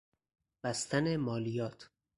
بستن مالیات